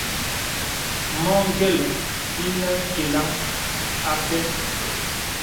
Mɔ gèl ìnə̀ nkelaŋ â pɛ.